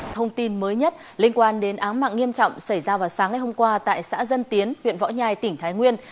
thông tin mới nhất liên quan đến áng mạng nghiêm trọng xảy ra vào sáng ngày hôm qua tại xã dân tiến huyện võ nhai tỉnh thái nguyên